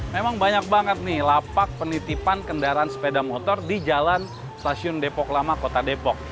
memang banyak banget nih lapak penitipan kendaraan sepeda motor di jalan stasiun depok lama kota depok